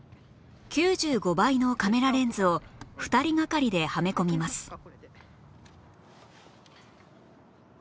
９５倍のカメラレンズを２人がかりではめ込みます